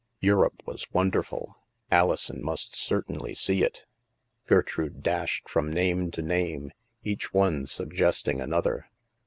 Europe was wonderful. Alison must certainly see it. Gertrude dashed from name to name, each one suggesting another.